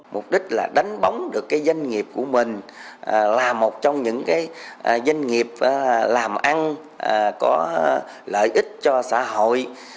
mục đích là đánh bóng được cái doanh nghiệp của mình là một trong những doanh nghiệp làm ăn có lợi ích cho xã hội